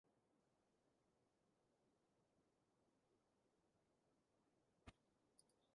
ރައިވެރިބޭގެ ޖިހާދުގެ ފެތުން